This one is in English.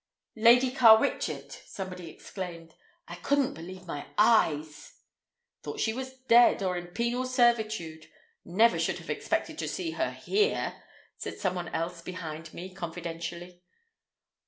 "Lady Carwitchet!" somebody exclaimed. "I couldn't believe my eyes." "Thought she was dead or in penal servitude. Never should have expected to see her here," said some one else behind me confidentially.